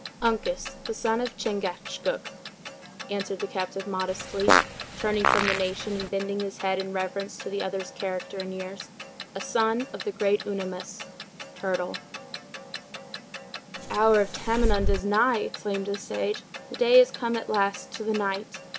"Uncas, the son of Chingachgook," answered the captive modestly, turning from the nation, and bending his head in reverence to the other's character and years; "a son of the great Unamis." Turtle. "The hour of Tamenund is nigh!" exclaimed the sage; "the day is come, at last, to the night!